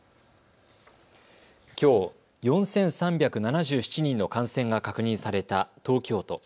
きょう、４３７７人の感染が確認された東京都。